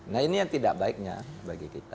nah ini yang tidak baiknya bagi kita